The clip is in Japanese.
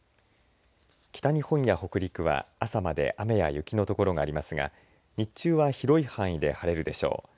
北日本や北陸は、朝まで雨や雪の所がありますが日中は広い範囲で晴れるでしょう。